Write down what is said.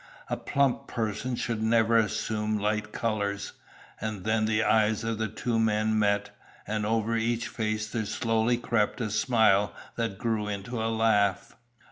A plump person should never assume light colours." And then the eyes of the two men met, and over each face there slowly crept a smile that grew into a laugh.